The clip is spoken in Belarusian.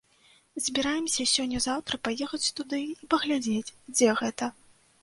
Збіраемся сёння-заўтра паехаць туды і паглядзець, дзе гэта.